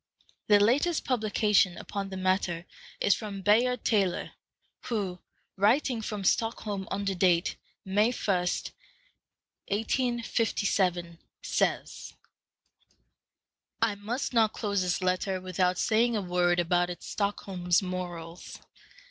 The latest publication upon the matter is from Bayard Taylor, who, writing from Stockholm under date May 1, 1857, says, "I must not close this letter without saying a word about its (Stockholm's) morals.